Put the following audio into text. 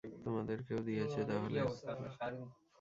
তোমাদেরকেও দিয়েছে তাহলে।